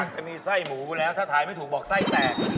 ถ้าถ่ายไม่ถูกบอกไส้แตก